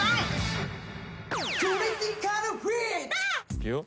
いくよ。